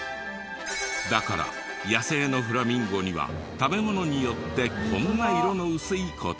だから野生のフラミンゴには食べ物によってこんな色の薄い個体も。